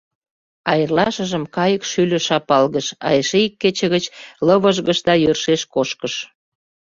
а эрлашыжым кайык шӱльӧ шапалгыш, а эше ик кече гыч лывыжгыш да йӧршеш кошкыш.